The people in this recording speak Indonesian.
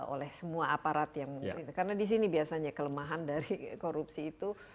oleh semua aparat yang karena di sini biasanya kelemahan dari korupsi itu